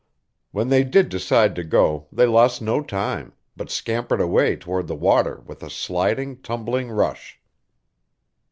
When they did decide to go they lost no time, but scampered away toward the water with a sliding, tumbling rush.